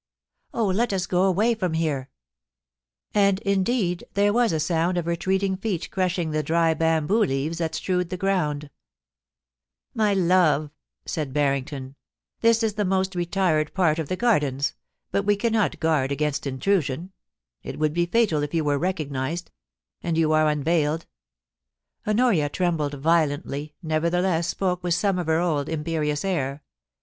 Oh, let us go away from here !' And indeed there was a sound of retreating feet crushing tlie dry bamboo leaves that strewed the ground ' My love,' said Barrington, 'this is the most retired part of the Gardens, but we cannot guard against intrusioa It would be fatal if you were recognised; and you are un veiled' Honoria trembled violently, nevertheless spoke with some of her old imperious air.